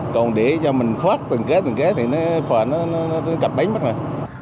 còn để cho mình phát từng kế từng kế thì nó phòa nó cập bấy mất rồi